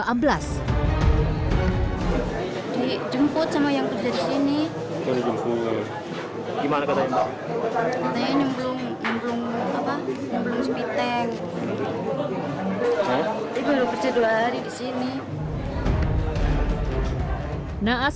sebelas dijemput sama yang ke sini gimana katanya belum belum apa yang belum sepi tank